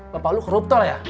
bapak lo koruptor ya